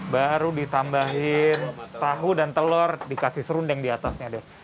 baru ditambahin tahu dan telur dikasih serundeng diatasnya deh